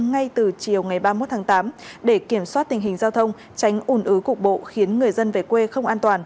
ngay từ chiều ngày ba mươi một tháng tám để kiểm soát tình hình giao thông